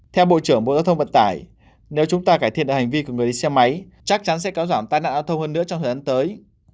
theo bộ trưởng bộ giao thông vận tải nếu chúng ta cải thiện được hành vi của người đi xe máy chắc chắn sẽ kéo giảm tai nạn giao thông hơn nữa trong thời gian tới